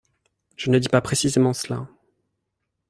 Je ne dis pas précisément cela.